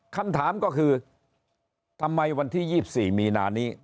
คำถามก็คือทำไมวันที่๒๔มีนานี้